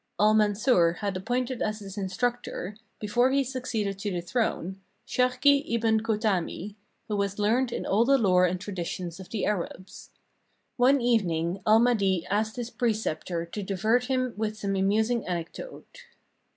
Al Mansur had appointed as his instructor, before he succeeded to the throne, Sharki Ibn Kotami, who was learned in all the lore and traditions of the Arabs. One evening Al Mahdi asked his preceptor to divert him with some amusing anecdote.